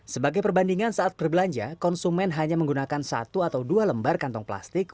sebagai perbandingan saat berbelanja konsumen hanya menggunakan satu atau dua lembar kantong plastik